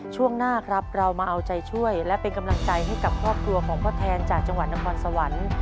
ช่วงหน้าครับเรามาเอาใจช่วยและเป็นกำลังใจให้กับครอบครัวของพ่อแทนจากจังหวัดนครสวรรค์